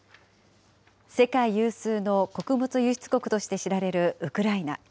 世界有数の穀物輸出国として知られるウクライナ。